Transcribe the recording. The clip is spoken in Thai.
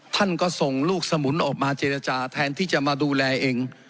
ท่านก็ส่งลูกสมุนออกมาเจรจาแทนที่จะมาดูแลเอง